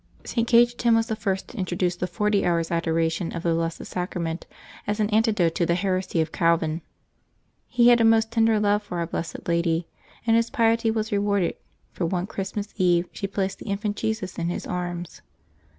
St. Cajetan was the first to intro duce the Forty Hours' Adoration of the Blessed Sacrament, as an antidote to the heresy of Calvin. He had a most tender love for our blessed Lady, and his piety was re warded, for one Christmas eve she placed the Infant Jesus in his arms.